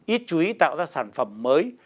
ít chú ý tạo ra sản phẩm mới